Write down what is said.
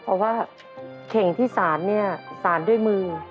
เพราะว่าเข่งที่สารเนี่ยสารด้วยมือ